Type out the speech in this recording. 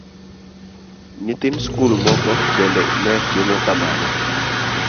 Nyithind skul moko bende ne timo kamano.